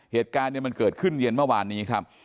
เหตุการณ์เนี่ยมันเกิดขึ้นเย็นเมื่อวานนี้ครับ